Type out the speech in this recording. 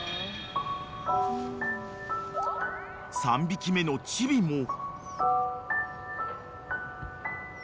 ［３匹目のチビも］